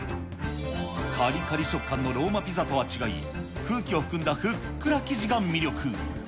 かりかり食感のローマピザとは違い、空気を含んだふっくら生地が魅力。